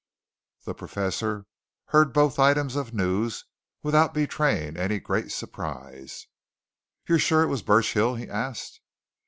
The Professor heard both items of news without betraying any great surprise. "You're sure it was Burchill?" he asked.